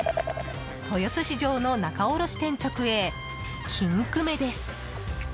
豊洲市場の仲卸店直営金粂です。